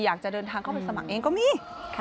อยากจะเดินทางเข้าไปสมัครเองก็มี